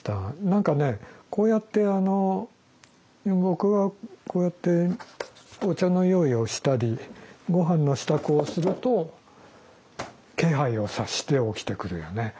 何かねこうやってあの僕がこうやってお茶の用意をしたりごはんの支度をすると気配を察して起きてくるよね。